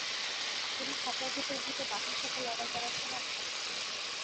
তিনি খাঁচার ভেতরে ঢুকে বাঘের সাথে লড়াই করার সময় আক্রান্ত হন।